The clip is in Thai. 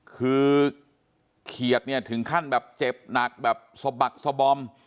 คือเขียดเนี่ยถึงขั้นแบบเจ็บหนักแบบสะบักสบอม